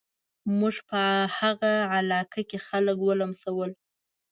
موږ په هغه علاقه کې خلک ولمسول.